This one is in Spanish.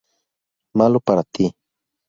Malo para ti".